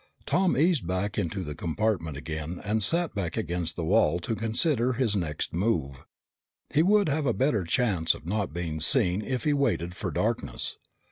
Tom eased back into the compartment again and sat back against the wall to consider his next move. He would have a better chance of not being seen if he waited for darkness.